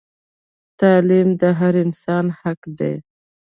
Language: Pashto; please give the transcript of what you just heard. تعلیم د هر انسان حق دی